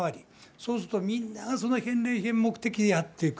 そうするとみんながその返礼品目的でやっていく。